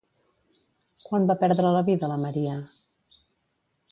Quan va perdre la vida la Maria?